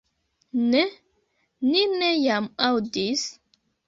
Ne, ni ne jam aŭdis